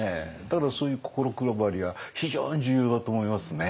だからそういう心配りは非常に重要だと思いますね。